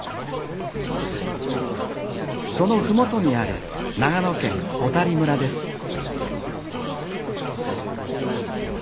その麓にある長野県小谷村です